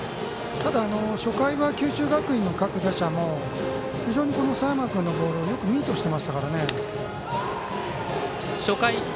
初回は九州学院の各打者も非常に佐山君のボールミートしていましたからね。